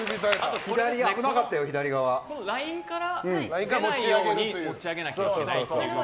このラインから出ないように持ち上げなきゃいけないっていう。